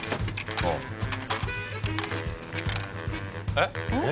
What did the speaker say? えっ？